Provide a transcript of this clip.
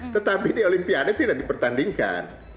tetapi di olimpiade tidak dipertandingkan